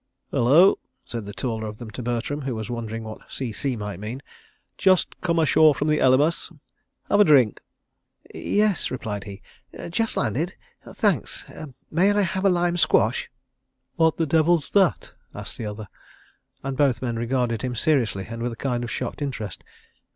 "Hullo!" said the taller of them to Bertram, who was wondering what "C.C." might mean. "Just come ashore from the Elymas? Have a drink?" "Yes," replied he; "just landed. ... Thanks—may I have a lime squash?" "What the devil's that?" asked the other, and both men regarded him seriously and with a kind of shocked interest.